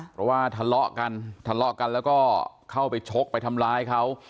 เพราะว่าทะเลาะกันทะเลาะกันแล้วก็เข้าไปชกไปทำร้ายเขา